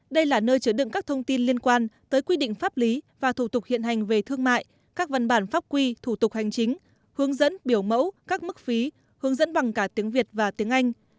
đây là nơi chứa đựng các thông tin liên quan tới quy định pháp lý và thủ tục hiện hành về thương mại các văn bản pháp quy thủ tục hành chính hướng dẫn biểu mẫu các mức phí hướng dẫn bằng cả tiếng việt và tiếng anh